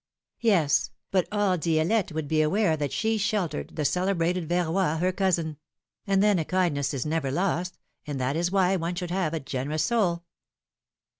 Yes ; but all Di6lette would be aware that she sheltered the celebrated 60 PHILOMi:XE's MARRIAGES. Verroy, her cousin; and, then, a kindness is never lost, and that is why one should have a generous soul